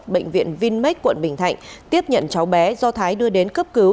bệnh viện vinmec quận bình thạnh tiếp nhận cháu bé do thái đưa đến cấp cứu